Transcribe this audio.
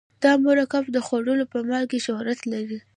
دا مرکب د خوړو په مالګې شهرت لري.